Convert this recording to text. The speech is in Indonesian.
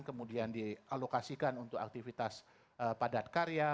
kemudian dialokasikan untuk aktivitas padat karya